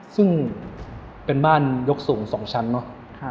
ซึ่งเป็นบ้านยกสูง๒ชั้นเนอะ